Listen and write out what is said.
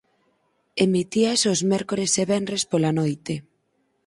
Emitíase os mércores e venres pola noite.